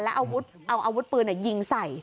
แล้วเอาอาวุธปืนยิงใส่